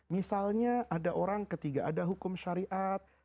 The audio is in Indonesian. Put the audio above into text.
misalnya ketika ada orang ada hukum syariat